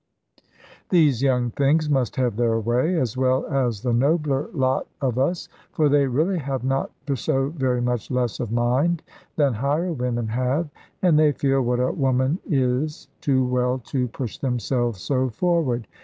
These young things must have their way, as well as the nobler lot of us: for they really have not so very much less of mind than higher women have; and they feel what a woman is too well to push themselves so forward.